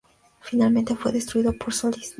Finalmente fue destruido por Solid Snake.